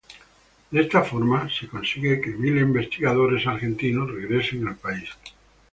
De esta forma se consigue que mil investigadores argentinos regresen al país.